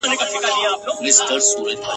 د بزګر لرګی به سم ورته اړم سو !.